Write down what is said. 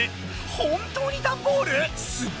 本当にダンボール⁉すっご。